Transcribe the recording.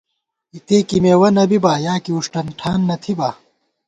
اِتے کی مېوَہ نہ بِیا، یا کی وُݭٹن ٹھان نہ تھِتا